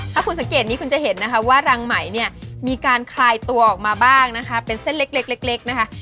ถ้าคุณสังเกตนี้คุณจะเห็นนะคะว่ารังไหมเนี่ยมีการคลายตัวออกมาบ้างนะคะเป็นเส้นเล็กเล็กนะคะ